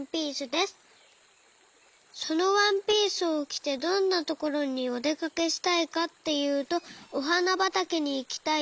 そのワンピースをきてどんなところにおでかけしたいかっていうとおはなばたけにいきたいです。